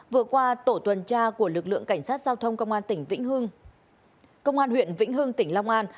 vừa qua tổ tuần tra của lực lượng cảnh sát giao thông công an tỉnh vĩnh hương công an huyện vĩnh hương tỉnh long an